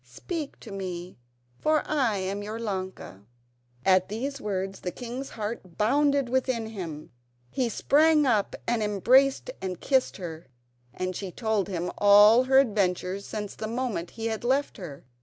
Speak to me, for I am your Ilonka." At these words the king's heart bounded within him. He sprang up and embraced and kissed her, and she told him all her adventures since the moment he had left her.